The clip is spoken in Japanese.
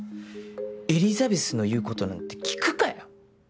エリザベスの言うことなんて聞くかよ。